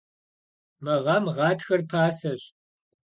Mı ğem ğatxer paseş.